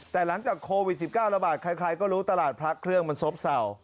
แต่หลังจากโควิด๑๙ระบาดใครก็รู้ตลาดพระเครื่องมันซบเศร้า